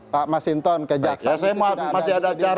pak mas hinton kejaksan itu tidak ada undang undang dasar